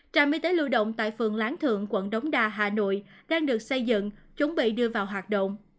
trạm y tế lưu động tại phường láng thượng quận đống đà hà nội đang được xây dựng chuẩn bị đưa vào hoạt động